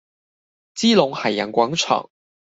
基隆海洋廣場